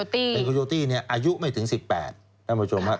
ที่เป็นโคโยตี้เป็นโคโยตี้อายุไม่ถึง๑๘ท่านผู้ชมครับ